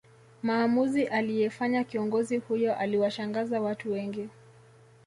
Maamuzi aliyefanya kiongozi huyo aliwashangaza watu wengi